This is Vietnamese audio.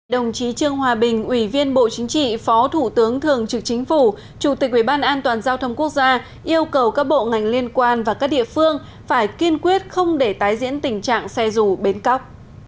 đồng chí trương hòa bình ủy viên bộ chính trị phó thủ tướng thường trực chính phủ chủ tịch ủy ban an toàn giao thông quốc gia yêu cầu các bộ ngành liên quan và các địa phương phải kiên quyết không để tái diễn tình trạng xe rù bến cóc